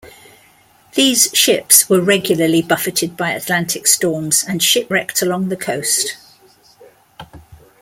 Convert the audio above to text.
These ships were regularly buffeted by Atlantic storms and shipwrecked along the coast.